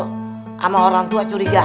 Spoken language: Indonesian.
sama orang tua curiga